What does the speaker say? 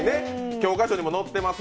教科書にも載ってます。